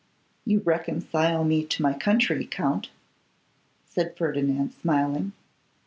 'You reconcile me to my country, Count,' said Ferdinand, smiling.